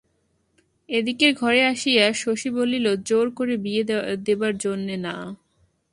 এদিকের ঘরে আসিয়া শশী বলিল, জোর করে বিয়ে দেবার জন্যে, না?